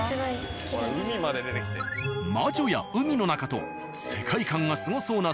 魔女や海の中と世界観がすごそうな